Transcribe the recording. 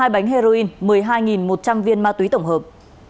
hai bánh heroin một mươi hai một trăm linh viên ma túy tổng hợp